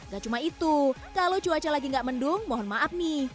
gak cuma itu kalau cuaca lagi nggak mendung mohon maaf nih